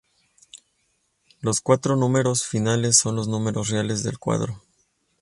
Los cuatro números finales son los números reales del cuadro.